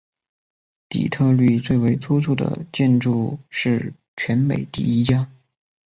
底特律最为突出的建筑是全美第一家。